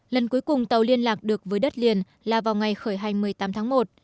lần cuối cùng tàu liên lạc được với đất liền là vào ngày khởi hành một mươi tám tháng một